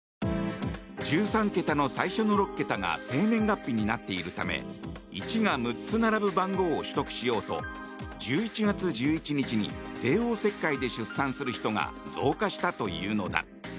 １３桁の最初の６桁が生年月日になっているため１が６つ並ぶ番号を取得しようと１１月１１日に帝王切開で出産する人が増加したというのだ。